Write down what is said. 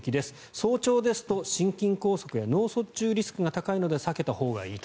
早朝ですと心筋梗塞や脳卒中リスクが高いので避けたほうがいいと。